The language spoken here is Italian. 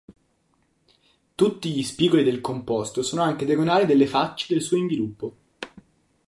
Tutti gli spigoli del composto sono anche diagonali delle facce del suo inviluppo.